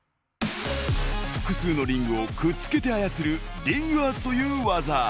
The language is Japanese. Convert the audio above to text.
複数のリングをくっつけて操る、リングアーツという技。